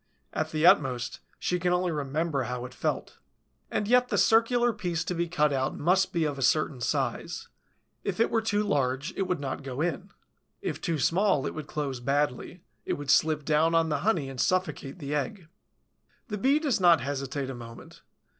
At the utmost, she can only remember how it felt. And yet the circular piece to be cut out must be of a certain size: if it were too large, it would not go in; if too small, it would close badly, it would slip down on the honey and suffocate the egg. The Bee does not hesitate a moment.